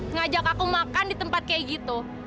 ngajak aku makan di tempat kayak gitu